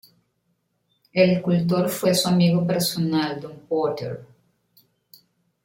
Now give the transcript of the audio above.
El escultor fue su amigo personal Don Potter.